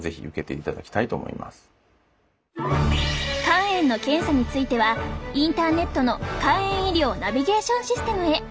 肝炎の検査についてはインターネットの肝炎医療ナビゲーションシステムへ。